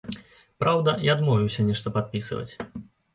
Праўда, я адмовіўся нешта падпісваць.